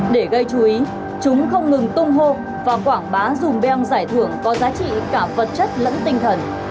để gây chú ý chúng không ngừng tung hô và quảng bá dùng beng giải thưởng có giá trị cả vật chất lẫn tinh thần